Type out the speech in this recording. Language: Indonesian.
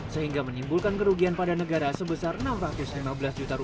sehingga menimbulkan kerugian pada negara sebesar rp enam ratus lima belas juta